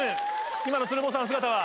今の鶴房さんの姿は。